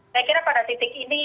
saya kira pada titik ini